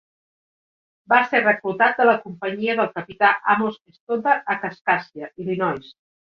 Va ser reclutat de la companyia del capità Amos Stoddard a Kaskaskia, Illinois.